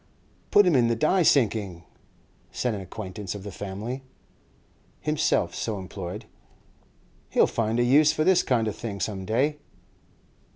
'Put him to the die sinking,' said an acquaintance of the family, himself so employed; 'he'll find a use for this kind of thing some day.